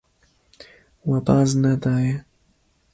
We baz nedaye.